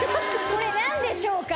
これ何でしょうか？